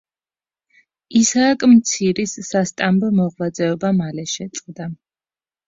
ისააკ მცირის სასტამბო მოღვაწეობა მალე შეწყდა.